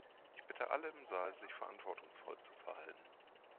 Ich bitte alle im Saal, sich verantwortungsvoll zu verhalten.